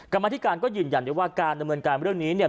กรรมนาธิการก็ยืนยันว่าการดำเนินการเรื่องนี้